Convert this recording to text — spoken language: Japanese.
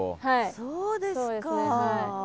そうですか。